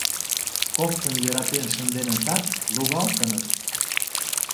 Коктын йӧратен шынденытат, лугалтыныт.